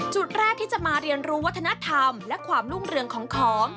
จุดแรกที่จะมาเรียนรู้วัฒนธรรมและความรุ่งเรืองของของ